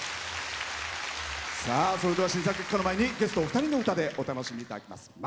さあそれでは審査結果の前にゲストお二人の歌でお楽しみ頂きます。